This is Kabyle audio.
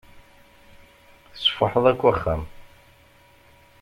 Tesfuḥeḍ akk axxam.